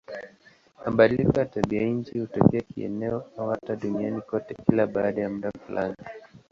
Mabadiliko ya tabianchi hutokea kieneo au hata duniani kote kila baada ya muda fulani.